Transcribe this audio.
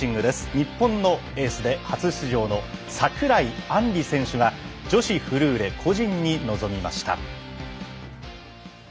日本のエースで初出場の櫻井杏理選手が女子フルーレ個人に臨みました。